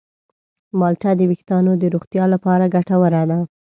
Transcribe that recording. مالټه د ویښتانو د روغتیا لپاره ګټوره ده.